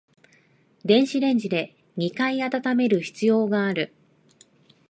電子レンジで二回温める必要がある